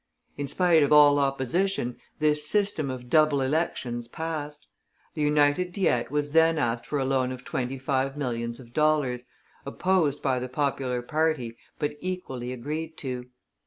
In spite of all opposition this system of double elections passed. The United Diet was then asked for a loan of twenty five millions of dollars, opposed by the popular party, but equally agreed to.